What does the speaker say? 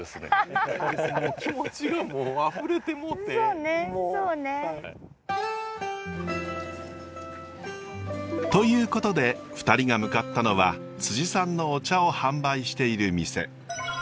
そうねそうね。ということで２人が向かったのはさんのお茶を販売している店。